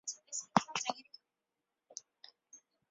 现在曼尼古根湖是加拿大东部一个重要的发电场所。